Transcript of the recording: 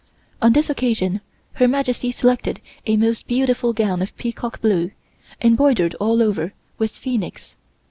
On this occasion Her Majesty selected a most beautiful gown of peacock blue, embroidered all over with phoenix.